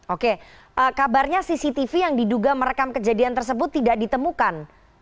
oke kabarnya cctv yang diduga merekam kejadian tersebut tidak ditemukan